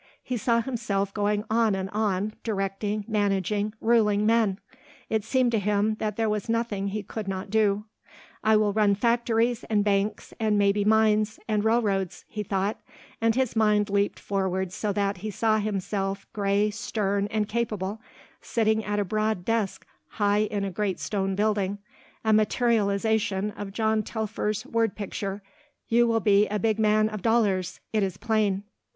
He saw himself going on and on, directing, managing, ruling men. It seemed to him that there was nothing he could not do. "I will run factories and banks and maybe mines and railroads," he thought and his mind leaped forward so that he saw himself, grey, stern, and capable, sitting at a broad desk high in a great stone building, a materialisation of John Telfer's word picture "You will be a big man of dollars it is plain."